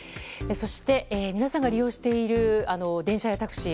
そして、皆さんが利用している電車やタクシー